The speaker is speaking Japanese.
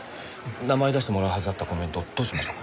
名前出してもらうはずだったコメントどうしましょうか？